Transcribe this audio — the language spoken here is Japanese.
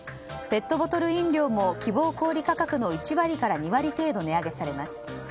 ペットボトル飲料も希望小売価格の１割から２割程度値上げされます。